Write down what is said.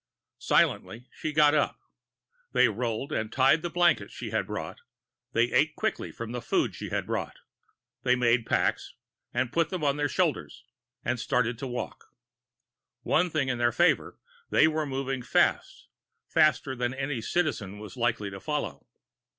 Silently she got up. They rolled and tied the blankets she had bought; they ate quickly from the food she had brought; they made packs and put them on their shoulders and started to walk. One thing in their favor: they were moving fast, faster than any Citizen was likely to follow.